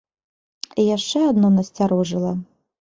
І яшчэ адно насцярожыла.